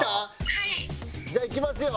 「はい」じゃあいきますよ？